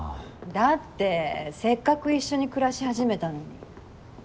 だってせっかく一緒に暮らし始めたのに。